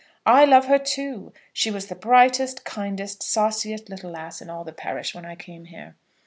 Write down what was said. I love her too. She was the brightest, kindest, sauciest little lass in all the parish, when I came here."